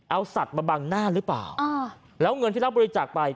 เอาสัตว์มาบังหน้าหรือเปล่าอ่าแล้วเงินที่รับบริจาคไป